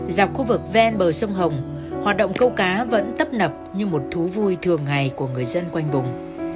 dọc khu vực ven bờ sông hồng hoạt động câu cá vẫn tấp nập như một thú vui thường ngày của người dân quanh vùng